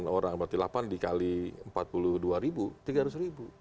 delapan orang berarti delapan dikali empat puluh dua ribu tiga ratus ribu